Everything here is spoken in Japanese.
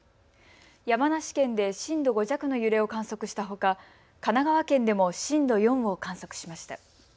山梨県で震度５弱の揺れを観測したほか神奈川県でも震度４を観測しました。